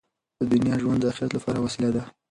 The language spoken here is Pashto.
د دنیا ژوند د اخرت لپاره وسیله ده.